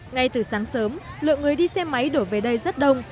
ngay từ sáng sớm lượng người đi xe máy đổ về đây rất đông